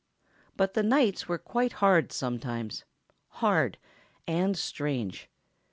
But the nights were quite hard, sometimes:—hard ... and strange.